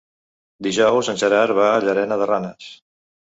Dijous en Gerard va a Llanera de Ranes.